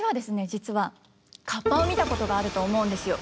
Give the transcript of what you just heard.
実はカッパを見たことがあると思うんですよ。